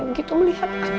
begitu melihat aku